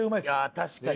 確かに。